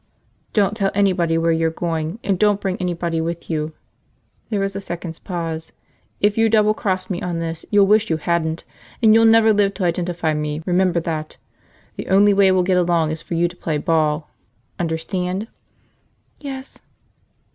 "Don't tell anybody where you're going and don't bring anybody with you." There was a second's pause. "If you double cross me on this, you'll wish you hadn't. And you'll never live to identify me, remember that. The only way we'll get along is for you to play ball. Understand?" "Yes."